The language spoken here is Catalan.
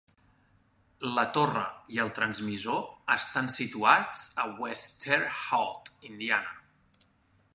La torre i el transmissor estan situats a West Terre Haute, Indiana.